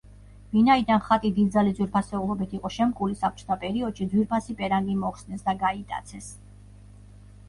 ვინაიდან ხატი დიდძალი ძვირფასეულობით იყო შემკული, საბჭოთა პერიოდში ძვირფასი პერანგი მოხსნეს და გაიტაცეს.